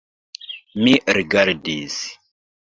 Mi rigardis.